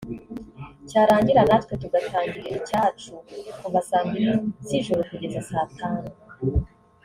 cyarangira natwe tugatangira icyacu kuva saa mbili z’ijoro kugeza saa tanu